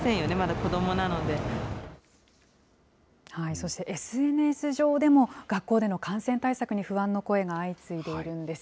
そしてＳＮＳ上でも、学校での感染対策に不安の声が相次いでいるんです。